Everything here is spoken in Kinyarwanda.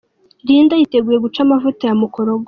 Linda yiteguye guca amavuta ya ’Mukorogo’.